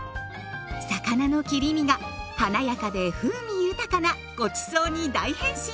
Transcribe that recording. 魚の切り身が華やかで風味豊かなごちそうに大変身しますよ。